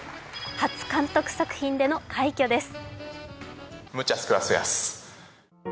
初監督作品での快挙です。